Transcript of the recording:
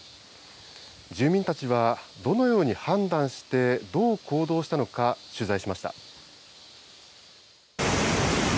住民たちはどのように判断して、どう行動したのか、取材しました。